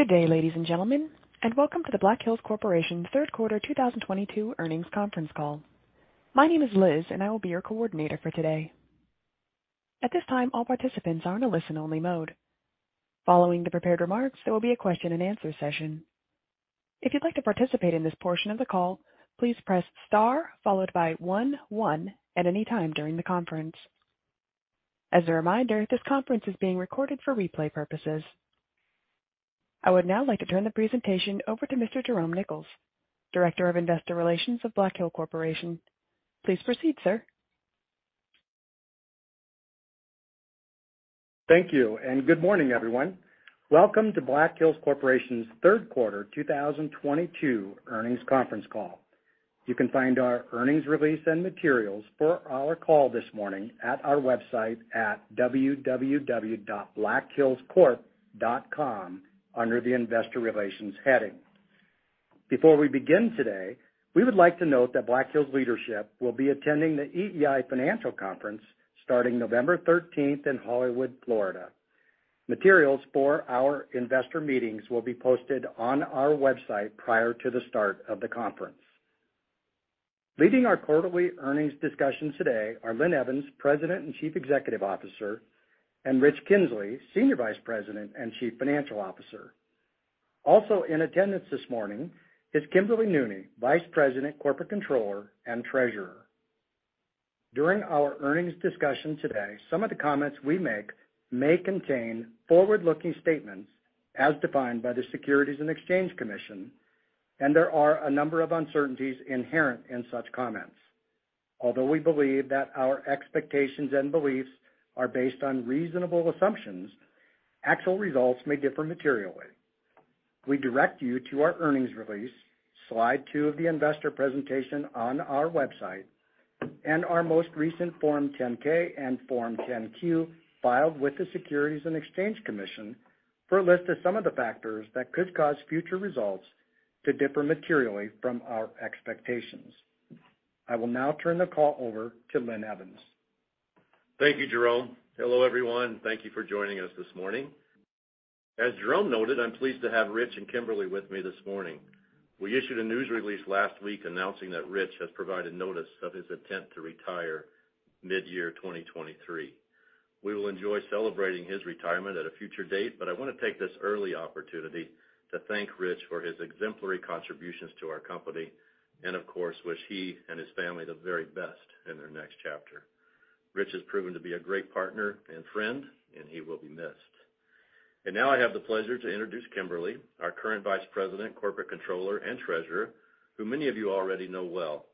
Good day, ladies and gentlemen, and welcome to the Black Hills Corporation third quarter 2022 earnings conference call. My name is Liz, and I will be your coordinator for today. At this time, all participants are in a listen-only mode. Following the prepared remarks, there will be a question-and-answer session. If you'd like to participate in this portion of the call, please press star followed by one one at any time during the conference. As a reminder, this conference is being recorded for replay purposes. I would now like to turn the presentation over to Mr. Jerome Nichols, Director of Investor Relations of Black Hills Corporation. Please proceed, sir. Thank you, and good morning, everyone. Welcome to Black Hills Corporation's third quarter 2022 earnings conference call. You can find our earnings release and materials for our call this morning at our website at www.blackhillscorp.com under the Investor Relations heading. Before we begin today, we would like to note that Black Hills leadership will be attending the EEI Financial Conference starting November 13 in Hollywood, Florida. Materials for our investor meetings will be posted on our website prior to the start of the conference. Leading our quarterly earnings discussions today are Linn Evans, President and Chief Executive Officer, and Rich Kinzley, Senior Vice President and Chief Financial Officer. Also in attendance this morning is Kimberly Nooney, Vice President, Corporate Controller, and Treasurer. During our earnings discussion today, some of the comments we make may contain forward-looking statements as defined by the Securities and Exchange Commission, and there are a number of uncertainties inherent in such comments. Although we believe that our expectations and beliefs are based on reasonable assumptions, actual results may differ materially. We direct you to our earnings release, slide two of the investor presentation on our website, and our most recent Form 10-K and Form 10-Q filed with the Securities and Exchange Commission for a list of some of the factors that could cause future results to differ materially from our expectations. I will now turn the call over to Linn Evans. Thank you, Jerome. Hello, everyone. Thank you for joining us this morning. As Jerome noted, I'm pleased to have Rich and Kimberly with me this morning. We issued a news release last week announcing that Rich has provided notice of his intent to retire mid-year 2023. We will enjoy celebrating his retirement at a future date, but I wanna take this early opportunity to thank Rich for his exemplary contributions to our company and of course wish he and his family the very best in their next chapter. Rich has proven to be a great partner and friend, and he will be missed. Now I have the pleasure to introduce Kimberly, our current Vice President, Corporate Controller, and Treasurer, who many of you already know well.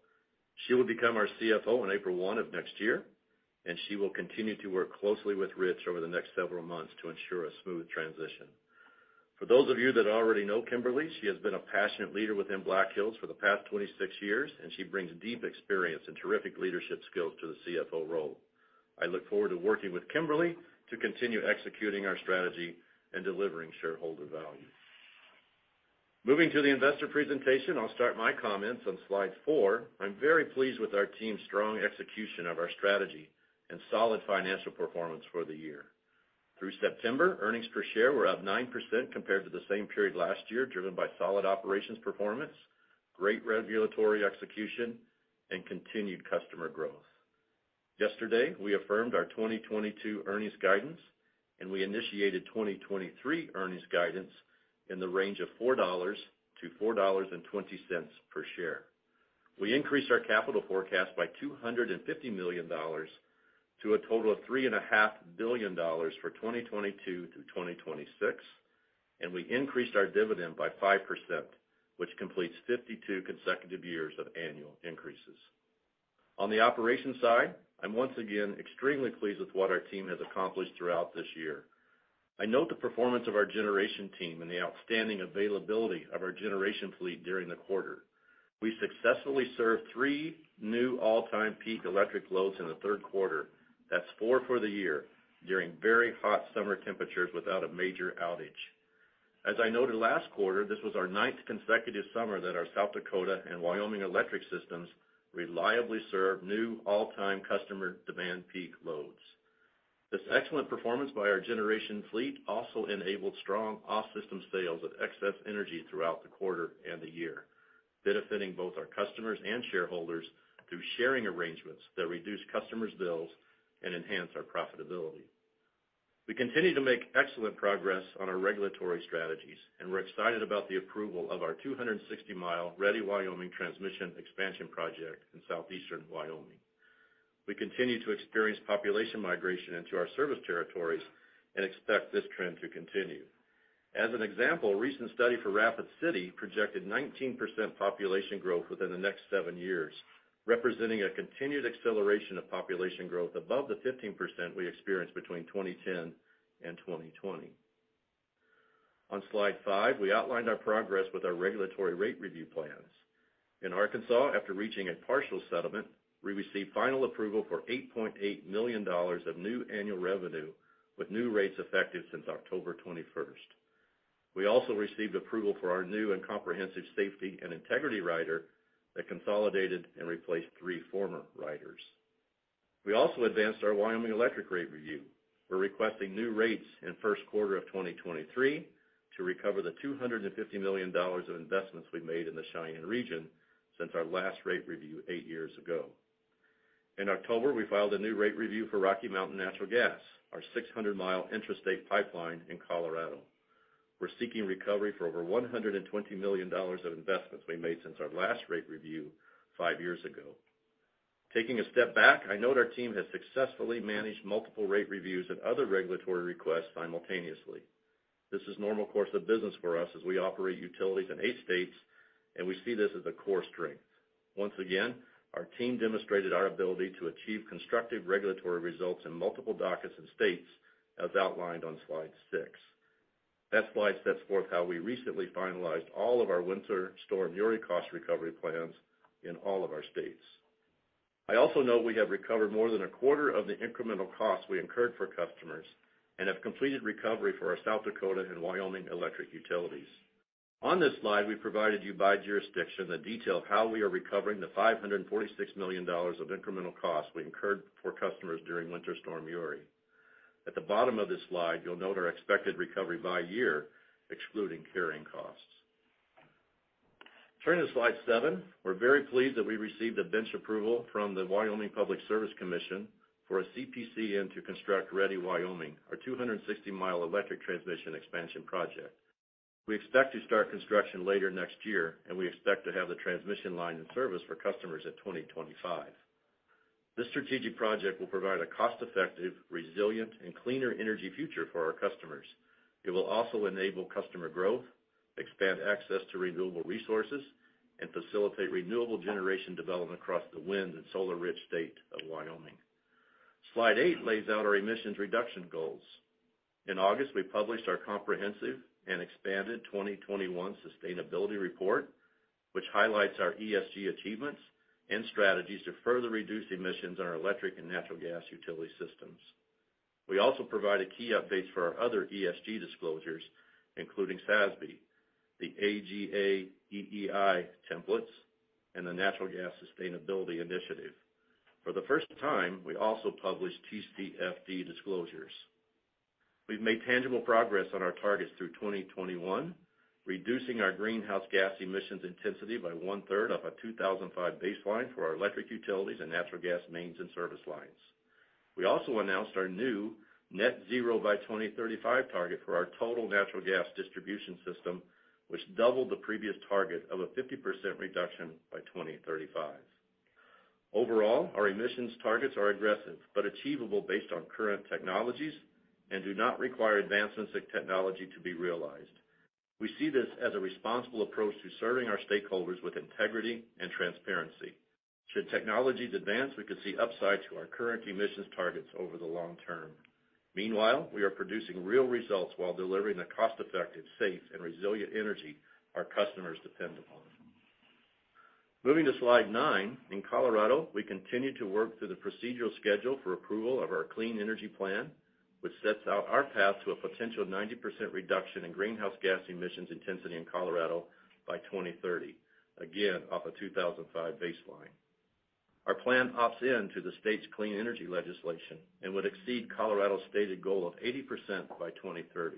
She will become our CFO on April 1 of next year, and she will continue to work closely with Rich over the next several months to ensure a smooth transition. For those of you that already know Kimberly, she has been a passionate leader within Black Hills for the past 26 years, and she brings deep experience and terrific leadership skills to the CFO role. I look forward to working with Kimberly to continue executing our strategy and delivering shareholder value. Moving to the investor presentation, I'll start my comments on slide four. I'm very pleased with our team's strong execution of our strategy and solid financial performance for the year. Through September, earnings per share were up 9% compared to the same period last year, driven by solid operations performance, great regulatory execution, and continued customer growth. Yesterday, we affirmed our 2022 earnings guidance, and we initiated 2023 earnings guidance in the range of $4-$4.20 per share. We increased our capital forecast by $250 million to a total of $3.5 billion for 2022 through 2026, and we increased our dividend by 5%, which completes 52 consecutive years of annual increases. On the operations side, I'm once again extremely pleased with what our team has accomplished throughout this year. I note the performance of our generation team and the outstanding availability of our generation fleet during the quarter. We successfully served three new all-time peak electric loads in the third quarter. That's four for the year, during very hot summer temperatures without a major outage. As I noted last quarter, this was our ninth consecutive summer that our South Dakota and Wyoming electric systems reliably served new all-time customer demand peak loads. This excellent performance by our generation fleet also enabled strong off-system sales of excess energy throughout the quarter and the year, benefiting both our customers and shareholders through sharing arrangements that reduce customers' bills and enhance our profitability. We continue to make excellent progress on our regulatory strategies, and we're excited about the approval of our 260-mile Ready Wyoming transmission expansion project in southeastern Wyoming. We continue to experience population migration into our service territories and expect this trend to continue. As an example, a recent study for Rapid City projected 19% population growth within the next seven years, representing a continued acceleration of population growth above the 15% we experienced between 2010 and 2020. On slide five, we outlined our progress with our regulatory rate review plans. In Arkansas, after reaching a partial settlement, we received final approval for $8.8 million of new annual revenue with new rates effective since October 21. We also received approval for our new and comprehensive safety and integrity rider that consolidated and replaced three former riders. We also advanced our Wyoming electric rate review. We're requesting new rates in first quarter of 2023 to recover the $250 million of investments we made in the Cheyenne region since our last rate review eight years ago. In October, we filed a new rate review for Rocky Mountain Natural Gas, our 600-mile intrastate pipeline in Colorado. We're seeking recovery for over $120 million of investments we made since our last rate review five years ago. Taking a step back, I note our team has successfully managed multiple rate reviews and other regulatory requests simultaneously. This is normal course of business for us as we operate utilities in eight states, and we see this as a core strength. Once again, our team demonstrated our ability to achieve constructive regulatory results in multiple dockets and states as outlined on slide six. That slide sets forth how we recently finalized all of our Winter Storm Uri cost recovery plans in all of our states. I also know we have recovered more than a quarter of the incremental costs we incurred for customers, and have completed recovery for our South Dakota and Wyoming electric utilities. On this slide, we provided you by jurisdiction the detail how we are recovering the $546 million of incremental costs we incurred for customers during Winter Storm Uri. At the bottom of this slide, you'll note our expected recovery by year, excluding carrying costs. Turning to slide 7, we're very pleased that we received a final approval from the Wyoming Public Service Commission for a CPCN and to construct Ready Wyoming, our 260-mile electric transmission expansion project. We expect to start construction later next year, and we expect to have the transmission line in service for customers at 2025. This strategic project will provide a cost-effective, resilient, and cleaner energy future for our customers. It will also enable customer growth, expand access to renewable resources, and facilitate renewable generation development across the wind and solar-rich state of Wyoming. Slide 8 lays out our emissions reduction goals. In August, we published our comprehensive and expanded 2021 sustainability report, which highlights our ESG achievements and strategies to further reduce emissions on our electric and natural gas utility systems. We also provided key updates for our other ESG disclosures, including SASB, the AGA EEI templates, and the Natural Gas Sustainability Initiative. For the first time, we also published TCFD disclosures. We've made tangible progress on our targets through 2021, reducing our greenhouse gas emissions intensity by one-third of a 2005 baseline for our electric utilities and natural gas mains and service lines. We also announced our new net zero by 2035 target for our total natural gas distribution system, which doubled the previous target of a 50% reduction by 2035. Overall, our emissions targets are aggressive, but achievable based on current technologies and do not require advancements in technology to be realized. We see this as a responsible approach to serving our stakeholders with integrity and transparency. Should technologies advance, we could see upside to our current emissions targets over the long term. Meanwhile, we are producing real results while delivering a cost-effective, safe, and resilient energy our customers depend upon. Moving to slide nine, in Colorado, we continue to work through the procedural schedule for approval of our clean energy plan, which sets out our path to a potential 90% reduction in greenhouse gas emissions intensity in Colorado by 2030, again, off a 2005 baseline. Our plan opts in to the state's clean energy legislation and would exceed Colorado's stated goal of 80% by 2030.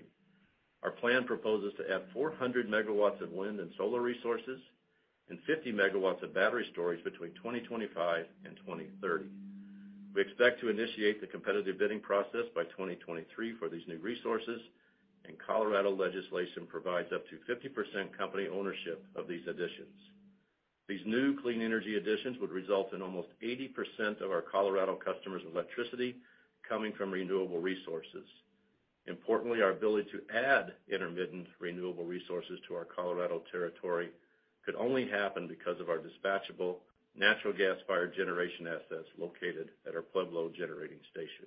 Our plan proposes to add 400 MW of wind and solar resources and 50 MW of battery storage between 2025 and 2030. We expect to initiate the competitive bidding process by 2023 for these new resources, and Colorado legislation provides up to 50% company ownership of these additions. These new clean energy additions would result in almost 80% of our Colorado customers' electricity coming from renewable resources. Importantly, our ability to add intermittent renewable resources to our Colorado territory could only happen because of our dispatchable natural gas-fired generation assets located at our Pueblo generating station.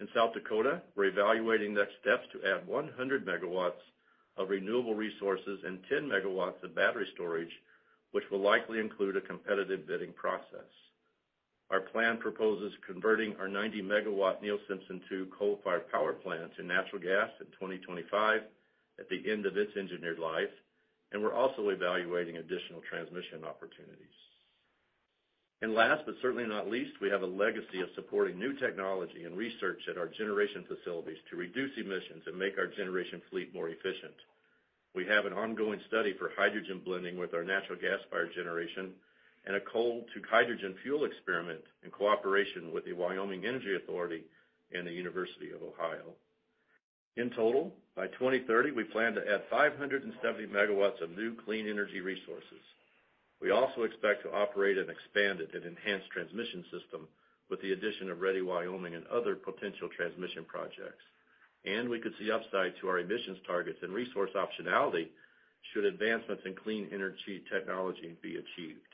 In South Dakota, we're evaluating next steps to add 100 MW of renewable resources and 10 MW of battery storage, which will likely include a competitive bidding process. Our plan proposes converting our 90-MW Neil Simpson II coal-fired power plant to natural gas in 2025 at the end of its engineered life, and we're also evaluating additional transmission opportunities. Last, but certainly not least, we have a legacy of supporting new technology and research at our generation facilities to reduce emissions and make our generation fleet more efficient. We have an ongoing study for hydrogen blending with our natural gas-fired generation and a coal-to-hydrogen fuel experiment in cooperation with the Wyoming Energy Authority and the Ohio State University. In total, by 2030, we plan to add 570 megawatts of new clean energy resources. We also expect to operate an expanded and enhanced transmission system with the addition of Ready Wyoming and other potential transmission projects. We could see upside to our emissions targets and resource optionality should advancements in clean energy technology be achieved.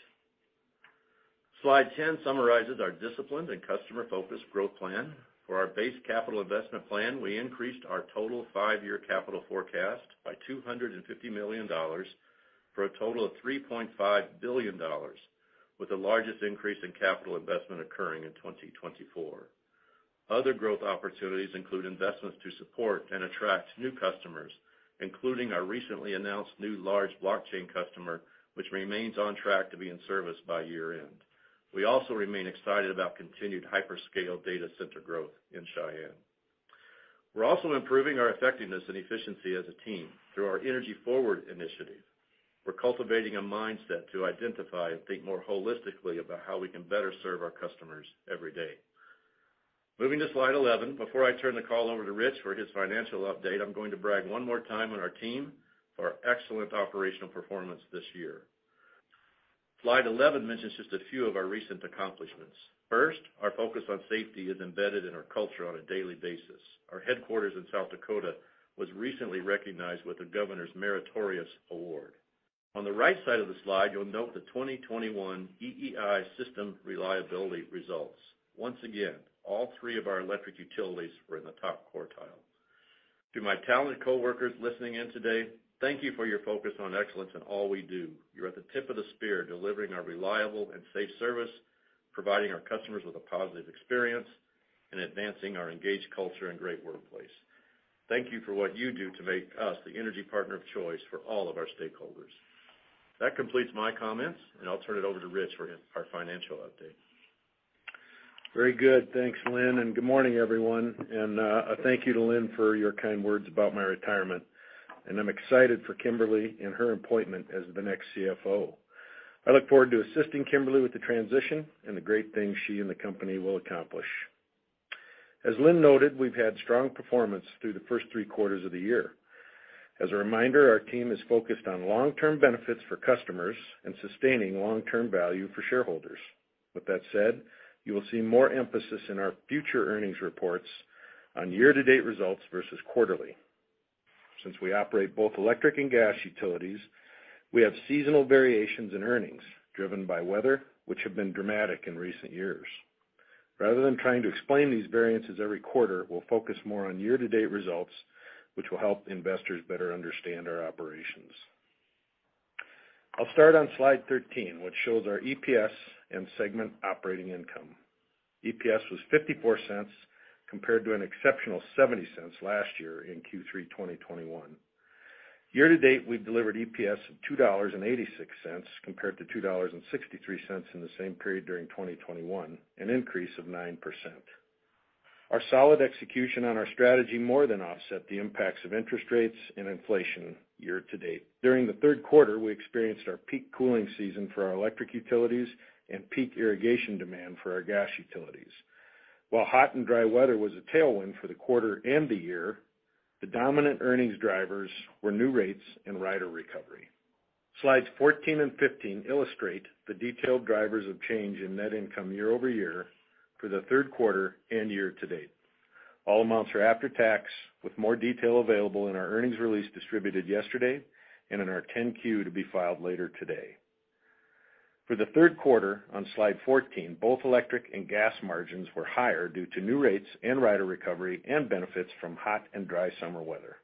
Slide 10 summarizes our disciplined and customer-focused growth plan. For our base capital investment plan, we increased our total five-year capital forecast by $250 million for a total of $3.5 billion, with the largest increase in capital investment occurring in 2024. Other growth opportunities include investments to support and attract new customers, including our recently announced new large blockchain customer, which remains on track to be in service by year-end. We also remain excited about continued hyperscale data center growth in Cheyenne. We're also improving our effectiveness and efficiency as a team through our Green Forward initiative. We're cultivating a mindset to identify and think more holistically about how we can better serve our customers every day. Moving to slide 11, before I turn the call over to Rich for his financial update, I'm going to brag one more time on our team for our excellent operational performance this year. Slide 11 mentions just a few of our recent accomplishments. First, our focus on safety is embedded in our culture on a daily basis. Our headquarters in South Dakota was recently recognized with the Governor's Meritorious Award. On the right side of the slide, you'll note the 2021 EEI system reliability results. Once again, all three of our electric utilities were in the top quartile. To my talented coworkers listening in today, thank you for your focus on excellence in all we do. You're at the tip of the spear, delivering our reliable and safe service, providing our customers with a positive experience, and advancing our engaged culture and great workplace. Thank you for what you do to make us the energy partner of choice for all of our stakeholders. That completes my comments, and I'll turn it over to Rich for our financial update. Very good. Thanks, Lynn, and good morning, everyone. A thank you to Lynn for your kind words about my retirement. I'm excited for Kimberly and her appointment as the next CFO. I look forward to assisting Kimberly with the transition and the great things she and the company will accomplish. As Lynn noted, we've had strong performance through the first three quarters of the year. As a reminder, our team is focused on long-term benefits for customers and sustaining long-term value for shareholders. With that said, you will see more emphasis in our future earnings reports on year-to-date results versus quarterly. Since we operate both electric and gas utilities, we have seasonal variations in earnings driven by weather, which have been dramatic in recent years. Rather than trying to explain these variances every quarter, we'll focus more on year-to-date results, which will help investors better understand our operations. I'll start on slide 13, which shows our EPS and segment operating income. EPS was $0.54 compared to an exceptional $0.70 last year in Q3 2021. Year-to-date, we've delivered EPS of $2.86 compared to $2.63 in the same period during 2021, an increase of 9%. Our solid execution on our strategy more than offset the impacts of interest rates and inflation year-to-date. During the third quarter, we experienced our peak cooling season for our electric utilities and peak irrigation demand for our gas utilities. While hot and dry weather was a tailwind for the quarter and the year, the dominant earnings drivers were new rates and rider recovery. Slides 14 and 15 illustrate the detailed drivers of change in net income year-over-year for the third quarter and year to date. All amounts are after tax, with more detail available in our earnings release distributed yesterday and in our 10-Q to be filed later today. For the third quarter on slide 14, both electric and gas margins were higher due to new rates and rider recovery and benefits from hot and dry summer weather.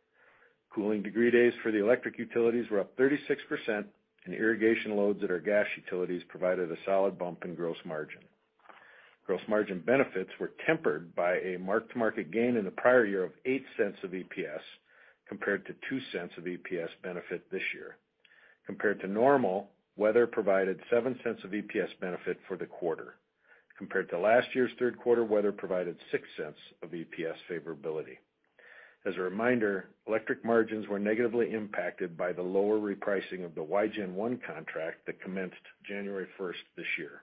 Cooling degree days for the electric utilities were up 36%, and irrigation loads at our gas utilities provided a solid bump in gross margin. Gross margin benefits were tempered by a mark-to-market gain in the prior year of $0.08 of EPS compared to $0.02 of EPS benefit this year. Compared to normal, weather provided $0.07 of EPS benefit for the quarter. Compared to last year's third quarter, weather provided 6 cents of EPS favorability. As a reminder, electric margins were negatively impacted by the lower repricing of the Wygen I contract that commenced January 1st this year.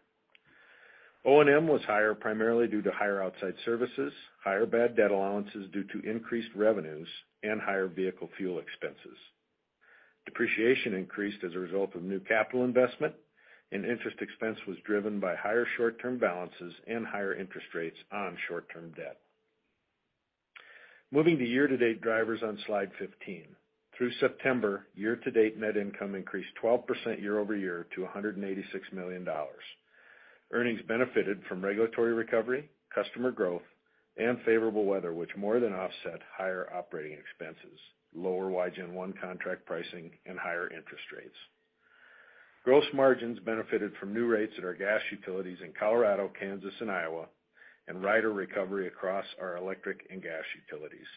O&M was higher primarily due to higher outside services, higher bad debt allowances due to increased revenues, and higher vehicle fuel expenses. Depreciation increased as a result of new capital investment, and interest expense was driven by higher short-term balances and higher interest rates on short-term debt. Moving to year-to-date drivers on slide 15. Through September, year-to-date net income increased 12% year-over-year to $186 million. Earnings benefited from regulatory recovery, customer growth, and favorable weather, which more than offset higher operating expenses, lower Wygen I contract pricing, and higher interest rates. Gross margins benefited from new rates at our gas utilities in Colorado, Kansas, and Iowa and rider recovery across our electric and gas utilities.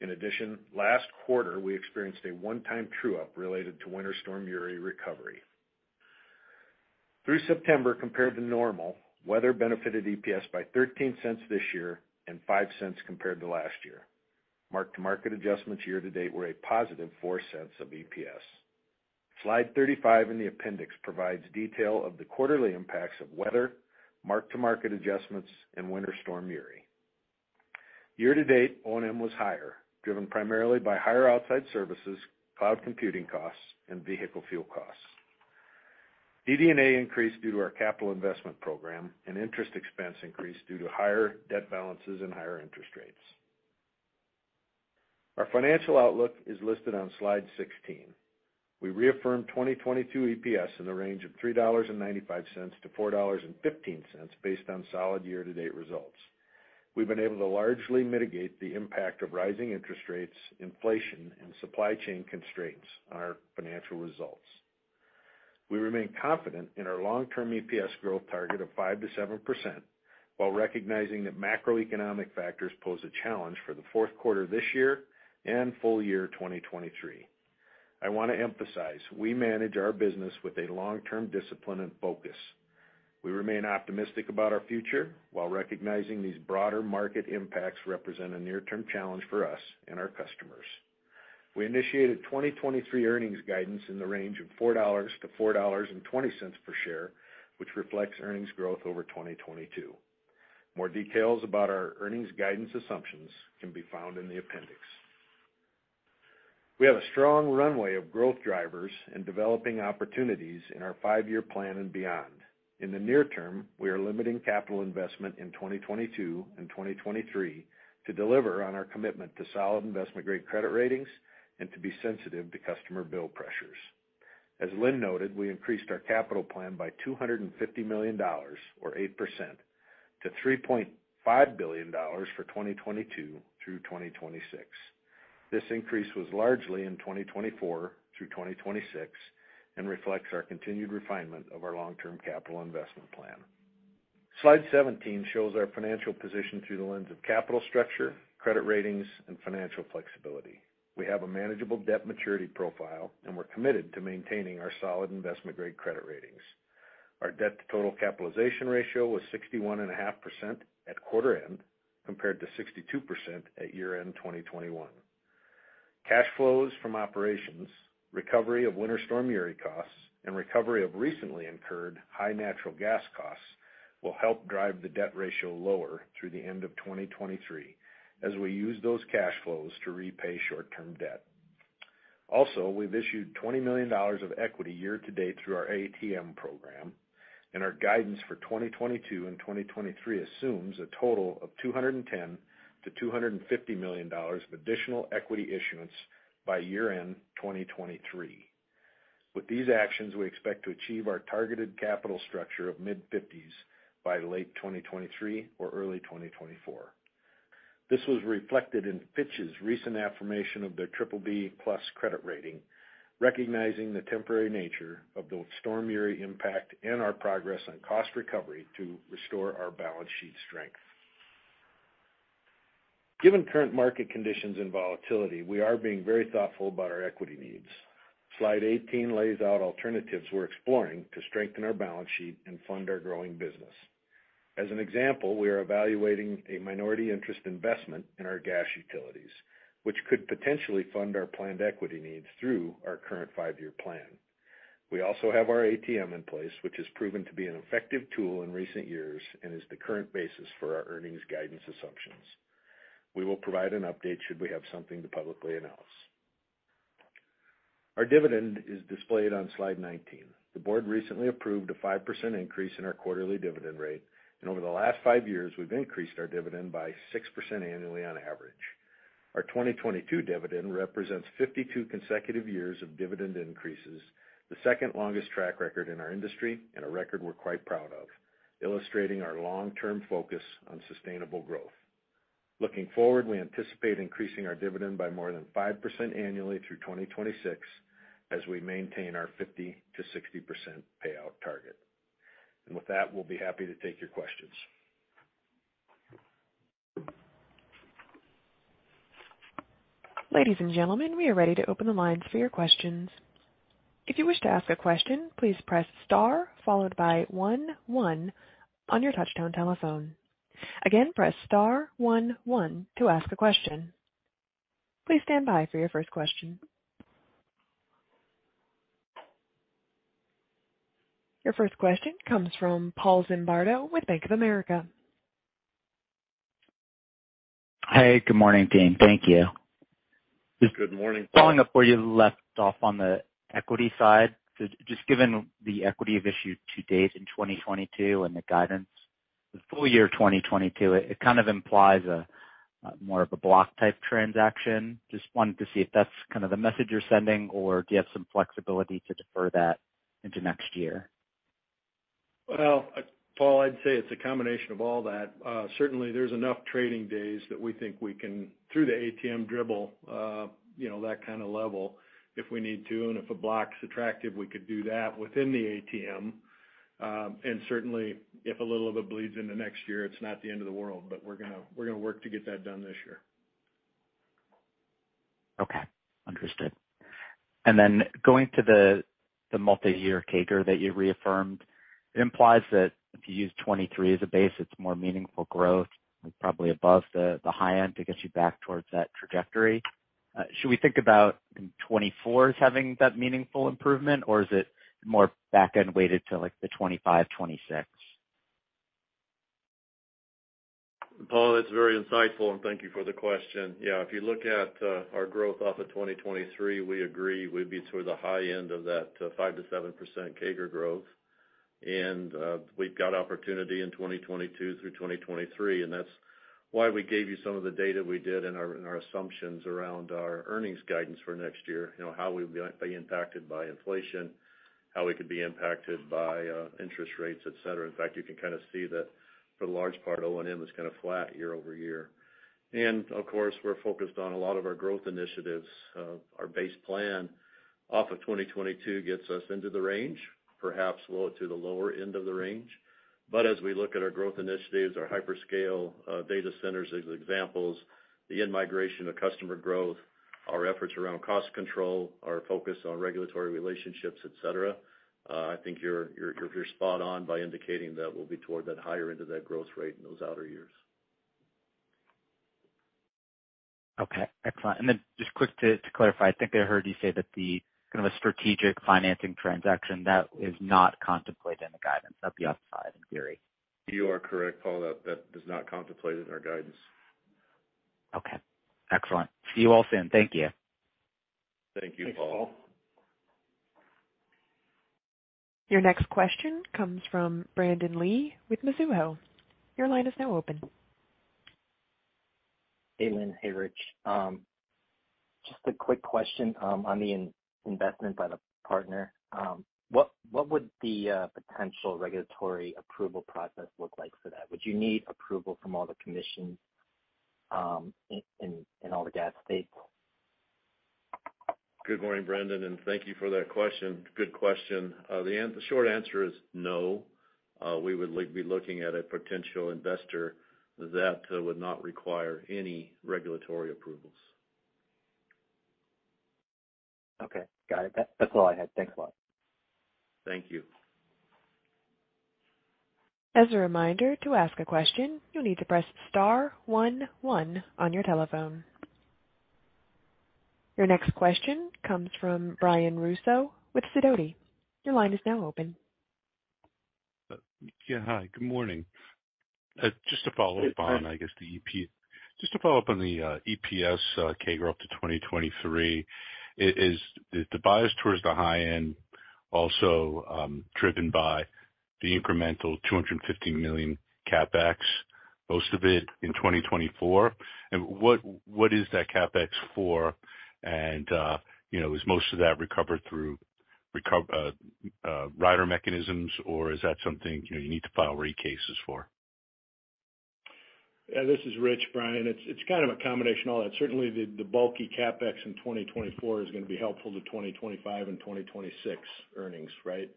In addition, last quarter, we experienced a one-time true-up related to Winter Storm Uri recovery. Through September, compared to normal, weather benefited EPS by $0.13 this year and $0.05 compared to last year. Mark-to-market adjustments year to date were a positive $0.04 of EPS. Slide 35 in the appendix provides detail of the quarterly impacts of weather, mark-to-market adjustments, and Winter Storm Uri. Year to date, O&M was higher, driven primarily by higher outside services, cloud computing costs, and vehicle fuel costs. DD&A increased due to our capital investment program, and interest expense increased due to higher debt balances and higher interest rates. Our financial outlook is listed on slide 16. We reaffirmed 2022 EPS in the range of $3.95-$4.15 based on solid year-to-date results. We've been able to largely mitigate the impact of rising interest rates, inflation, and supply chain constraints on our financial results. We remain confident in our long-term EPS growth target of 5%-7%, while recognizing that macroeconomic factors pose a challenge for the fourth quarter this year and full year 2023. I wanna emphasize, we manage our business with a long-term discipline and focus. We remain optimistic about our future, while recognizing these broader market impacts represent a near-term challenge for us and our customers. We initiated 2023 earnings guidance in the range of $4.00-$4.20 per share, which reflects earnings growth over 2022. More details about our earnings guidance assumptions can be found in the appendix. We have a strong runway of growth drivers and developing opportunities in our five-year plan and beyond. In the near term, we are limiting capital investment in 2022 and 2023 to deliver on our commitment to solid investment-grade credit ratings and to be sensitive to customer bill pressures. As Lynn noted, we increased our capital plan by $250 million or 8% to $3.5 billion for 2022 through 2026. This increase was largely in 2024 through 2026 and reflects our continued refinement of our long-term capital investment plan. Slide 17 shows our financial position through the lens of capital structure, credit ratings, and financial flexibility. We have a manageable debt maturity profile, and we're committed to maintaining our solid investment-grade credit ratings. Our debt-to-total capitalization ratio was 61.5% at quarter end, compared to 62% at year-end 2021. Cash flows from operations, recovery of Winter Storm Uri costs, and recovery of recently incurred high natural gas costs will help drive the debt ratio lower through the end of 2023, as we use those cash flows to repay short-term debt. Also, we've issued $20 million of equity year-to-date through our ATM program, and our guidance for 2022 and 2023 assumes a total of $210 million-$250 million of additional equity issuance by year-end 2023. With these actions, we expect to achieve our targeted capital structure of mid-50s% by late 2023 or early 2024. This was reflected in Fitch's recent affirmation of their BBB+ credit rating, recognizing the temporary nature of both Winter Storm Uri impact and our progress on cost recovery to restore our balance sheet strength. Given current market conditions and volatility, we are being very thoughtful about our equity needs. Slide 18 lays out alternatives we're exploring to strengthen our balance sheet and fund our growing business. As an example, we are evaluating a minority interest investment in our gas utilities, which could potentially fund our planned equity needs through our current five-year plan. We also have our ATM in place, which has proven to be an effective tool in recent years and is the current basis for our earnings guidance assumptions. We will provide an update should we have something to publicly announce. Our dividend is displayed on slide 19. The board recently approved a 5% increase in our quarterly dividend rate, and over the last five years, we've increased our dividend by 6% annually on average. Our 2022 dividend represents 52 consecutive years of dividend increases, the second-longest track record in our industry and a record we're quite proud of, illustrating our long-term focus on sustainable growth. Looking forward, we anticipate increasing our dividend by more than 5% annually through 2026 as we maintain our 50%-60% payout target. With that, we'll be happy to take your questions. Ladies and gentlemen, we are ready to open the lines for your questions. If you wish to ask a question, please press Star followed by one one on your touchtone telephone. Again, press star one one to ask a question. Please stand by for your first question. Your first question comes from Paul Zimbardo with Bank of America. Hey, good morning, team. Thank you. Good morning, Paul. Following up where you left off on the equity side, so just given the equity of issue to date in 2022 and the guidance, the full year 2022, it kind of implies a more of a block-type transaction. Just wanted to see if that's kind of the message you're sending, or do you have some flexibility to defer that into next year? Well, Paul, I'd say it's a combination of all that. Certainly there's enough trading days that we think we can, through the ATM dribble, you know, that kind of level if we need to. If a block's attractive, we could do that within the ATM. Certainly if a little of it bleeds into next year, it's not the end of the world. We're gonna work to get that done this year. Okay. Understood. Then going to the multiyear CAGR that you reaffirmed, it implies that if you use 2023 as a base, it's more meaningful growth, probably above the high end to get you back towards that trajectory. Should we think about 2024 as having that meaningful improvement, or is it more back-end weighted to like the 2025, 2026? Paul, that's very insightful, and thank you for the question. Yeah, if you look at our growth off of 2023, we agree we'd be toward the high end of that 5%-7% CAGR growth. We've got opportunity in 2022 through 2023, and that's Why we gave you some of the data we did in our assumptions around our earnings guidance for next year. You know, how we'd be impacted by inflation, how we could be impacted by interest rates, et cetera. In fact, you can kind of see that for the large part, O&M is kind of flat year-over-year. Of course, we're focused on a lot of our growth initiatives. Our base plan off of 2022 gets us into the range, perhaps low to the lower end of the range. As we look at our growth initiatives, our hyperscale data centers as examples, the in-migration of customer growth, our efforts around cost control, our focus on regulatory relationships, et cetera, I think you're spot on by indicating that we'll be toward that higher end of that growth rate in those outer years. Okay. Excellent. Then just quick to clarify, I think I heard you say that the kind of a strategic financing transaction that is not contemplated in the guidance that'd be outside in theory. You are correct, Paul. That is not contemplated in our guidance. Okay. Excellent. See you all soon. Thank you. Thank you, Paul. Your next question comes from Brandon Lee with Mizuho. Your line is now open. Hey, Lynn. Hey, Rich. Just a quick question on the investment by the partner. What would the potential regulatory approval process look like for that? Would you need approval from all the commissions in all the gas states? Good morning, Brandon, and thank you for that question. Good question. The short answer is no. We would be looking at a potential investor that would not require any regulatory approvals. Okay. Got it. That's all I had. Thanks a lot. Thank you. As a reminder, to ask a question, you'll need to press star one one on your telephone. Your next question comes from Brian Russo with Sidoti. Your line is now open. Yeah. Hi, good morning. Just to follow up on the EPS CAGR up to 2023, is the bias towards the high end also driven by the incremental $250 million CapEx, most of it in 2024? And what is that CapEx for? And you know, is most of that recovered through rider mechanisms, or is that something you know, you need to file rate cases for? Yeah, this is Rich, Brian. It's kind of a combination of all that. Certainly, the lumpy CapEx in 2024 is gonna be helpful to 2025 and 2026 earnings, right?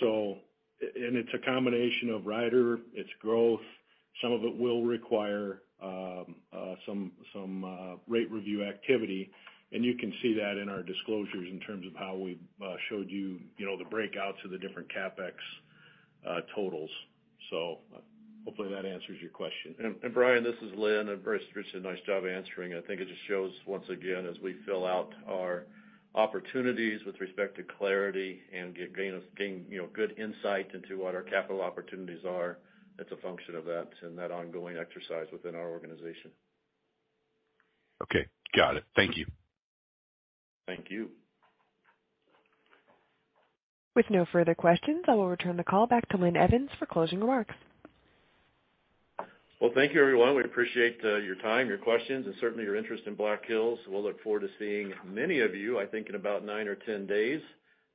And it's a combination of riders, its growth. Some of it will require some rate review activity, and you can see that in our disclosures in terms of how we showed you know, the breakouts of the different CapEx totals. Hopefully that answers your question. Brian, this is Linn. First, Rich did a nice job answering. I think it just shows once again, as we fill out our opportunities with respect to clarity and gain, you know, good insight into what our capital opportunities are, it's a function of that and that ongoing exercise within our organization. Okay. Got it. Thank you. Thank you. With no further questions, I will return the call back to Linn Evans for closing remarks. Well, thank you, everyone. We appreciate your time, your questions and certainly your interest in Black Hills. We'll look forward to seeing many of you, I think, in about nine or 10 days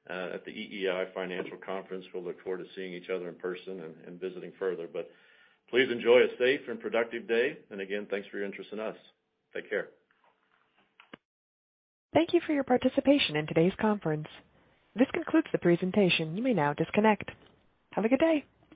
at the EEI Financial Conference. We'll look forward to seeing each other in person and visiting further. Please enjoy a safe and productive day. Again, thanks for your interest in us. Take care. Thank you for your participation in today's conference. This concludes the presentation. You may now disconnect. Have a good day.